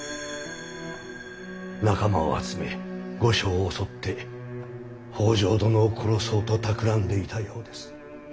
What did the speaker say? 仲間を集め御所を襲って北条殿を殺そうとたくらんでいたようです。